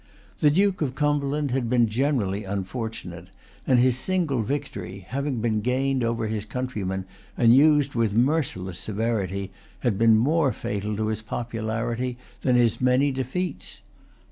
The Duke of Cumberland had been generally unfortunate; and his single victory, having been gained over his countrymen and used with merciless severity, had been more fatal to his popularity than his many defeats.